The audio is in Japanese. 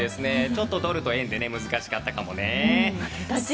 ちょっとドルと円で難しかったかもね。